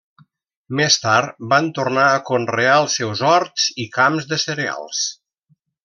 Més tard van tornar a conrear els seus horts i camps de cereals.